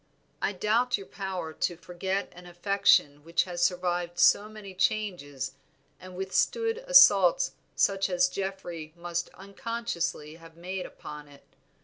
I doubt your power to forget an affection which has survived so many changes and withstood assaults such as Geoffrey must unconsciously have made upon it.